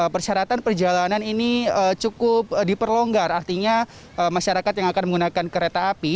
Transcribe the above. persyaratan perjalanan ini cukup diperlonggar artinya masyarakat yang akan menggunakan kereta api